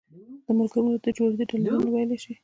د ملګرو ملتونو د جوړېدو دلیلونه وویلی شي.